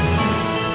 aku mau ke rumah